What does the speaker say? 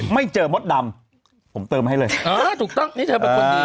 ไม่เจอมดดำผมเติมให้เลยเออถูกต้องนี่เธอเป็นคนดี